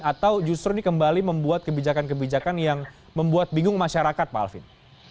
atau justru ini kembali membuat kebijakan kebijakan yang membuat bingung masyarakat pak alvin